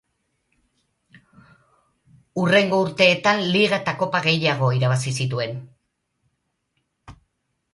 Hurrengo urteetan Liga eta Kopa gehiago irabazi zituen.